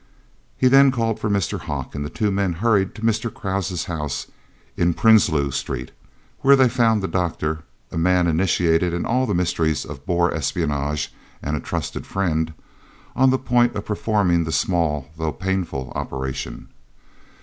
He then called for Mr. Hocke, and the two men hurried to Mr. Krause's house in Prinsloo Street, where they found the doctor (a man initiated in all the mysteries of Boer espionage and a trusted friend) on the point of performing the small, though painful operation.